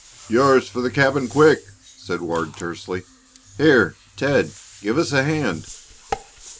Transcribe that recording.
"Yours for the cabin, quick!" said Ward, tersely. "Here, Ted, give us a hand."